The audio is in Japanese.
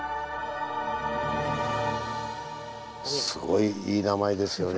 すごいいい名前ですよね